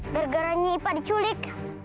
bergeraknya ipah diculik